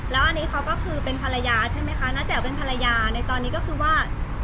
แล้วอันนี้เขาก็คือเป็นภรรยาใช่ไหมคะน้าแจ๋วเป็นภรรยาในตอนนี้ก็คือว่า